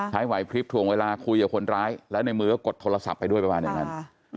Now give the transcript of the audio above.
ให้ไหวพลิบถ่วงเวลาคุยกับคนร้ายแล้วในมือก็กดโทรศัพท์ไปด้วยประมาณอย่างนั้น